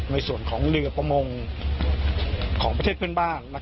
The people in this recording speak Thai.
ในส่วนของเรือประมงของประเทศเพื่อนบ้าน